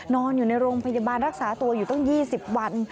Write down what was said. นอนอยู่ในโรงพยาบาลรักษาตัวอยู่ตั้ง๒๐วัน